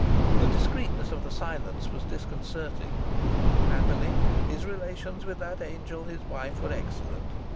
The discreetness of the silence was disconcerting. Happily his relations with that angel his wife were excellent.